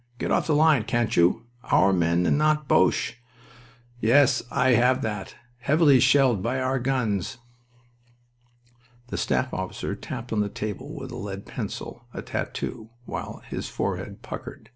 Get off the line, can't you?... 'Our men and not Boches.' Yes, I have that. 'Heavily shelled by our guns.'" The staff officer tapped on the table with a lead pencil a tattoo, while his forehead puckered.